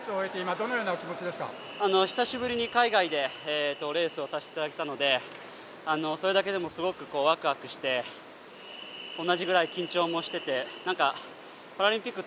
あの久しぶりに海外でレースをさせて頂けたのでそれだけでもすごくわくわくして同じぐらい緊張もしてて何かパラリンピック